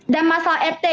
dan masalah rt